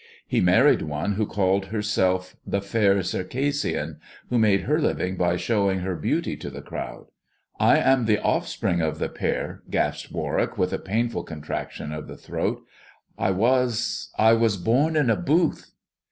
He married one who called herself tt Fair Circassian, who made her living by showing he beauty to the crowd. I am the offspring of the pair, gasped Warwick, with a painful contraction of the throai I was — I was born in a booth."